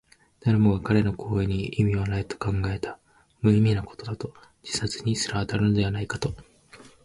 誰もが彼の行為に意味はないと考えた。無意味なことだと、自殺にすら当たるのではないかと。